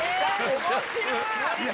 面白い。